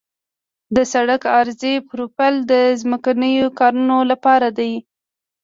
د سړک عرضي پروفیل د ځمکنیو کارونو لپاره دی